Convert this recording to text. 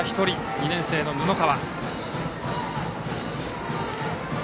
２年生の布川。